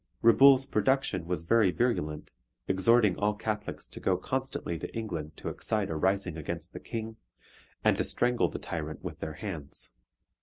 Reboul's production was very virulent, exhorting all Catholics to go constantly to England to excite a rising against the King, and to strangle the tyrant with their hands.